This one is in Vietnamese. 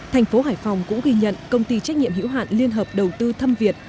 tp hải phòng cũng ghi nhận công ty trách nhiệm hữu hạn liên hợp đầu tư thâm việt